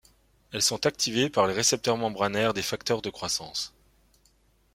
Elles sont activées par les récepteurs membranaires des facteurs de croissance.